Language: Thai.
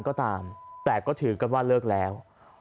ก็ตามแต่ก็ถือกันว่าเลิกแล้ว